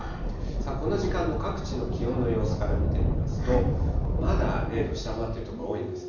この時間の各地の気温の様子から見てみますと、まだ０度下回ってる所、多いんですね。